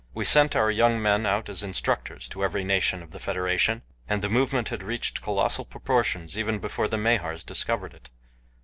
We sent our young men out as instructors to every nation of the federation, and the movement had reached colossal proportions before the Mahars discovered it.